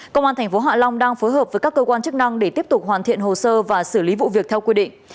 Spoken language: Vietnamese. công an tp hạ long đang phối hợp với các cơ quan chức năng để tiếp tục hoàn thiện hồ sơ và xử lý vụ việc theo quy định